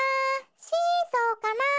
シーソーかな？